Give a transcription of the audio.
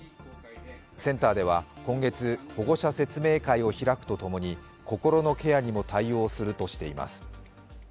センターでは今月、保護者説明会を開くとともに心のケアにも対応するとしています。